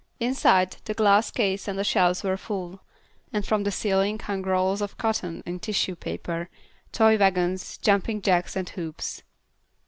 Inside, the glass case and the shelves were full, and from the ceiling hung rolls of cotton in tissue paper, toy wagons, jumping jacks and hoops.